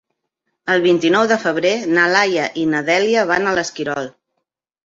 El vint-i-nou de febrer na Laia i na Dèlia van a l'Esquirol.